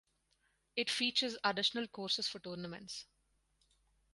It features additional courses for tournaments.